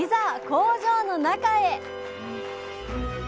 工場の中へ！